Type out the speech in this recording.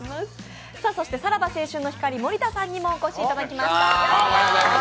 そして、さらば青春の光・森田さんにもお越しいただきました。